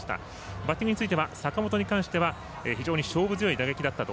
バッティングについては坂本については非常に勝負強い打撃だったと。